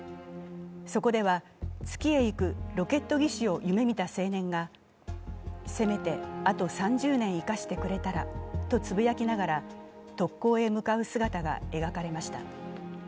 そこでは、月へ行くロケット技師を夢見た青年がせめて、あと３０年生かしてくれたらとつぶやきながら特攻へ向かう姿が描かれました。